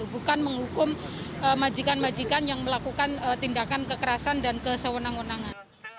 bukan menghukum majikan majikan yang melakukan tindakan kekerasan dan kesewenang wenangan